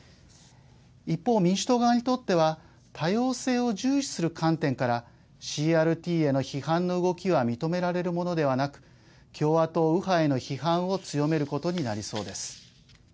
一方、民主党側にとっては多様性を重視する観点からＣＲＴへの批判の動きは認められるものではなく共和党右派への批判を強めることになりそうです。